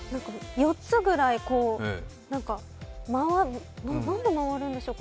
４つぐらい、何で回るんでしょうか。